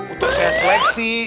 untuk saya seleksi